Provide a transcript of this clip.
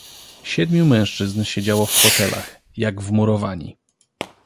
"Siedmiu mężczyzn siedziało w fotelach, jak wmurowani."